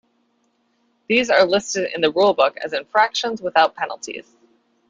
These are listed in the rule book as infractions without penalties.